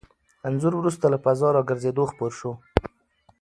انځور وروسته له فضا راګرځېدو خپور شو.